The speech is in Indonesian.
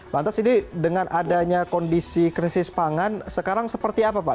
lantas ini dengan adanya kondisi krisis pangan sekarang seperti apa pak